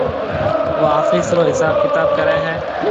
او آفس رو حساب ڪتاب ڪرَي ھيََََ